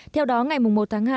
theo đó ngày một tháng hai